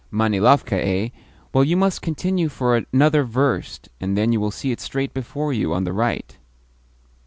"Manilovka, eh? Well, you must continue for another verst, and then you will see it straight before you, on the right."